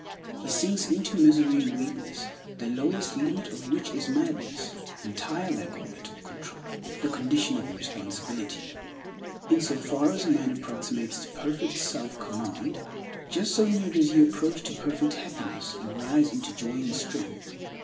He sinks into misery and weakness, the lowest limit of which is madness, entire lack of mental control, the condition of irresponsibility. In so far as a man approximates to perfect self command, just so near does he approach to perfect happiness, and rise into joy and strength.